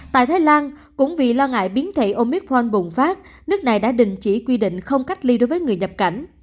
tại thái lan cũng vì lo ngại biến thể omicron bùng phát nước này đã đình chỉ quy định không cách ly đối với người nhập cảnh